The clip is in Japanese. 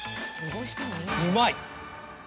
うまい！